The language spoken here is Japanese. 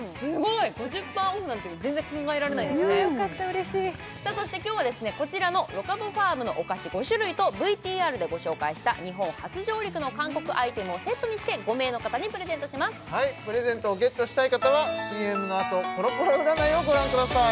うれしいそして今日はこちらのロカボファームのお菓子５種類とＶＴＲでご紹介した日本初上陸の韓国アイテムをセットにして５名の方にプレゼントしますプレゼントをゲットしたい方はＣＭのあとコロコロ占いをご覧ください